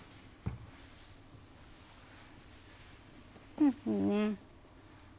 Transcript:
うんいいね。